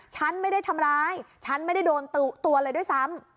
ฉันไม่ได้ทำร้ายฉันไม่ได้โดนตัวเลยด้วยซ้ำ